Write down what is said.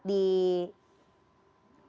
di negara berikutnya